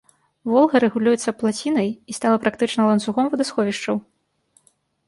Волга рэгулюецца плацінай і стала практычна ланцугом вадасховішчаў.